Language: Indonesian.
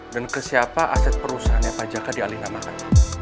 dan ke siapa aset perusahaan pajaka dialih namakan